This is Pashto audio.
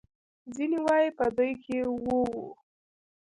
ځینې وايي په دوی کې اوه وو.